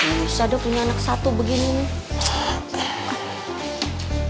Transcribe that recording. ah gak usah deh punya anak satu begini nih